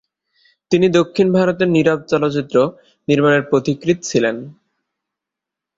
তিনি দক্ষিণ ভারতের নীরব চলচ্চিত্র নির্মাণের পথিকৃৎ ছিলেন।